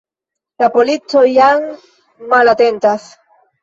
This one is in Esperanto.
La polico jam malatentas.